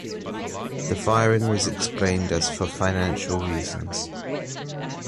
The firing was explained as for financial reasons.